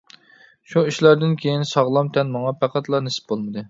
شۇ ئىشلاردىن كېيىن ساغلام تەن ماڭا پەقەتلا نېسىپ بولمىدى.